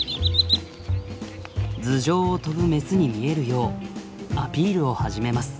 頭上を飛ぶメスに見えるようアピールを始めます。